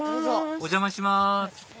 お邪魔します